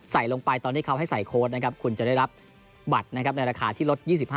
ใส่ลงไปตอนที่เขาให้ใส่โค้ดคุณจะได้รับบัตรในราคาที่ลด๒๕